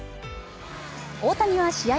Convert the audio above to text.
大谷は試合